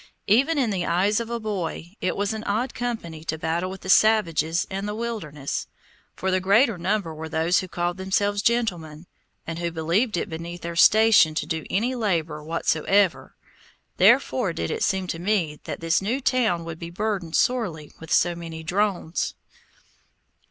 Even in the eyes of a boy, it was an odd company to battle with the savages and the wilderness, for the greater number were those who called themselves gentlemen, and who believed it beneath their station to do any labor whatsoever, therefore did it seem to me that this new town would be burdened sorely with so many drones.